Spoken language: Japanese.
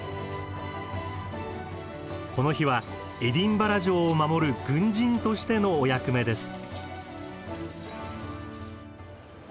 この日はエディンバラ城を守る軍人としてのお役目です。